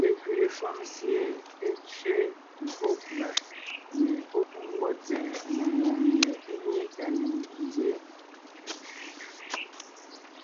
Lekwiʼi shúm sie é tsẅé mbwó pʉ̀a pie pɔ́ pú ngwɔ́ tsɛ̀ɛ mengwòŋ mie é nyé tá ne nzyéen.